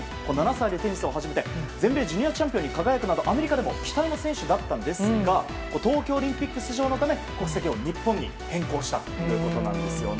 ７歳でテニスを始めて全米ジュニアチャンピオンに輝くなど、アメリカでも期待の選手だったんですが東京オリンピック出場のため籍を日本に変更したということです。